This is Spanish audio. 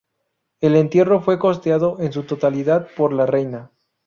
El entierro fue costeado en su totalidad por la reina.